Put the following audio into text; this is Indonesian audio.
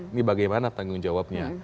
ini bagaimana tanggung jawabnya